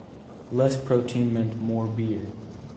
Less protein meant more beer.